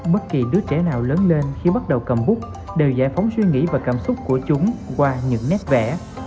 bất kỳ đứa trẻ nào lớn lên khi bắt đầu cầm bút đều giải phóng suy nghĩ và cảm xúc của chúng qua những nét vẽ